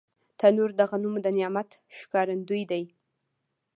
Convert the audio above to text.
تنور د غنمو د نعمت ښکارندوی دی